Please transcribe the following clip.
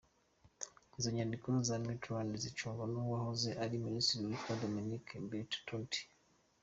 Izo nyandiko za Mitterand zicungwa n’uwahoze ari Minisitiri witwa Dominique Bertinotti.